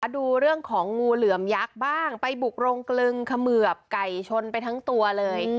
ดูเรื่องของงูเหลือมยักษ์บ้างไปบุกโรงกลึงเขมือบไก่ชนไปทั้งตัวเลย